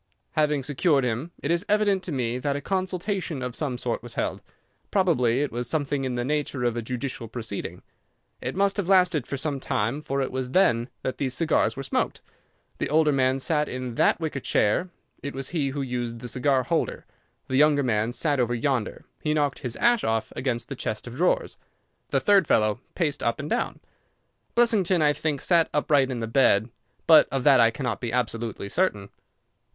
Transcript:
"Having secured him, it is evident to me that a consultation of some sort was held. Probably it was something in the nature of a judicial proceeding. It must have lasted for some time, for it was then that these cigars were smoked. The older man sat in that wicker chair; it was he who used the cigar holder. The younger man sat over yonder; he knocked his ash off against the chest of drawers. The third fellow paced up and down. Blessington, I think, sat upright in the bed, but of that I cannot be absolutely certain.